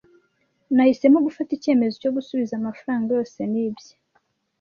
Nahisemo gufata icyemezo cyo gusubiza amafaranga yose nibye.